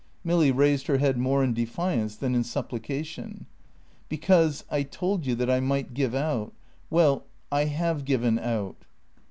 Milly raised her head more in defiance than in supplication. "Because I told you that I might give out. Well I have given out."